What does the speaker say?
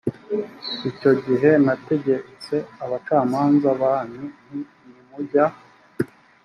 icyo gihe nategetse abacamanza banyu nti nimujya